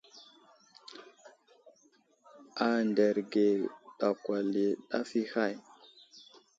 Anderge ɗakwala i ɗaf i hay.